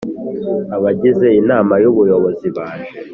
abagize Inama y Ubuyobozi baje